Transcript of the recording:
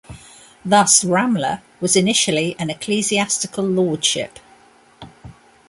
Thus, Ramla was initially an ecclesiastical lordship.